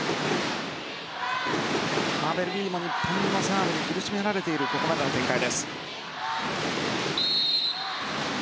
ベルギーも日本のサーブに苦しめられているここまでの展開。